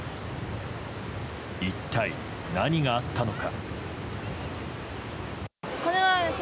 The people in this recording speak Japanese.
一体、何があったのか。